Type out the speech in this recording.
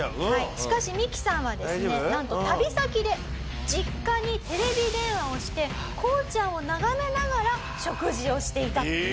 しかしミキさんはですねなんと旅先で実家にテレビ電話をしてこうちゃんを眺めながら食事をしていたと。